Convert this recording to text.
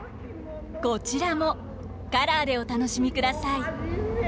こちらもカラーでお楽しみください。